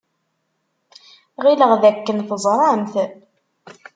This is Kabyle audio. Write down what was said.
Ɣileɣ dakken teẓramt.